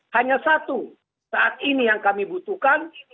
hanya satu saat ini yang kami butuhkan